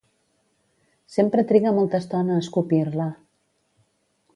Sempre triga molta estona a escopir-la.